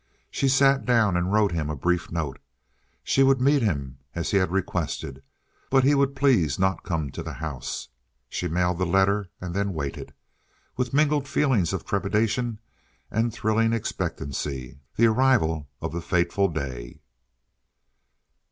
She sat down and wrote him a brief note. She would meet him as he had requested, but he would please not come to the house. She mailed the letter, and then waited, with mingled feelings of trepidation and thrilling expectancy, the arrival of the fateful day.